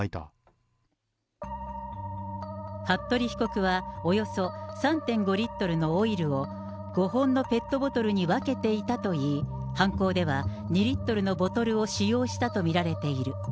小田急の事件ではサラダ油で火がつかなかったので、ライター服部被告はおよそ３．５リットルのオイルを５本のペットボトルに分けていたといい、犯行では２リットルのボトルを使用したと見られている。